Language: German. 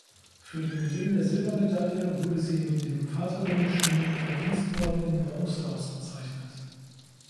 Für den Gewinn der Silbermedaille wurde sie mit dem Vaterländischen Verdienstorden in Bronze ausgezeichnet.